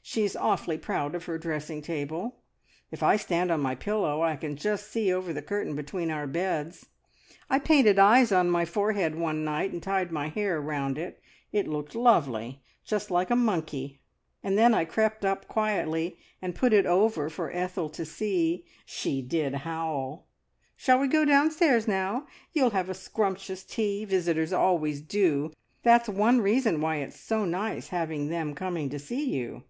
She is awfully proud of her dressing table. If I stand on my pillow I can just see over the curtain between our beds. I painted eyes on my forehead one night, and tied my hair round it. It looked lovely, just like a monkey! and then I crept up quietly, and put it over for Ethel to see. She did howl! Shall we go downstairs now? You'll have a scrumptious tea. Visitors always do. That's one reason why it's so nice having them coming to see you."